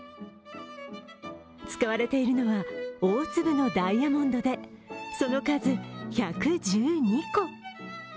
使われているのは大粒のダイヤモンドで、その数１１２個。